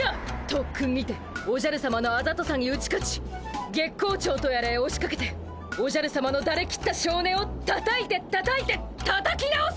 とっくんにておじゃるさまのあざとさに打ち勝ち月光町とやらへおしかけておじゃるさまのだれきったしょうねをたたいてたたいてたたき直すのじゃ！